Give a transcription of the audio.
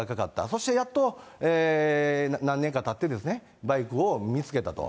そしてやっと何年かたって、バイクを見つけたと。